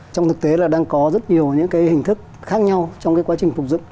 trong thực tế đang có rất nhiều hình thức khác nhau trong quá trình phục dựng